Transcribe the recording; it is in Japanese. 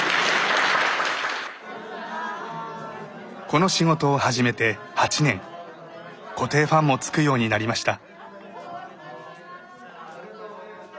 この仕事を始めて８年固定ファンもつくようになりました。